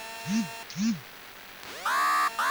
热基蒂巴是巴西米纳斯吉拉斯州的一个市镇。